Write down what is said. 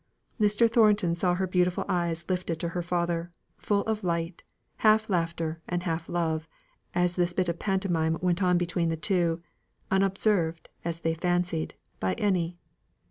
Mr. Thornton saw her beautiful eyes lifted to her father, full of light, half laughter, and half love, as this bit of pantomime went on between the two, unobserved as they fancied, by any.